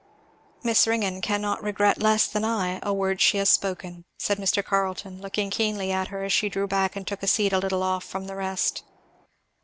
"Miss Ringgan cannot regret less than I a word that she has spoken," said Mr. Carleton looking keenly at her as she drew back and took a seat a little off from the rest.